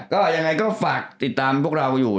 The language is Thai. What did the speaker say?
ก็ยังไงก็ฝากติดตามพวกเราอยู่